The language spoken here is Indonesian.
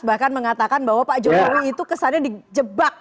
bahkan mengatakan bahwa pak jokowi itu kesannya dijebak